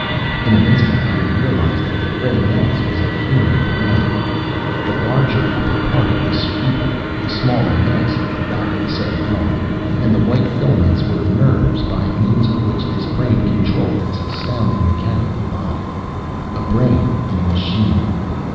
In an instant, Larry realized that the gray mass was a human brain. The larger, upper part the cerebrum, the smaller mass at the back the cerebellum. And the white filaments were nerves, by means of which this brain controlled its astounding, mechanical body! A brain in a machine!